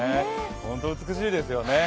本当、美しいですよね。